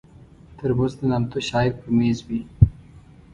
ترموز د نامتو شاعر پر مېز وي.